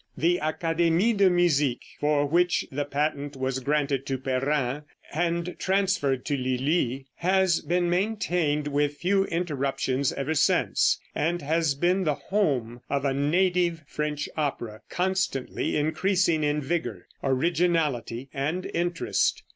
The Académie de Musique, for which the patent was granted to Perrin, and transferred to Lulli, has been maintained with few interruptions ever since, and has been the home of a native French opera, constantly increasing in vigor, originality and interest.